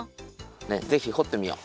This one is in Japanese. ぜひほってみよう。